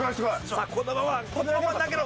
さあこのままこのまま投げろ！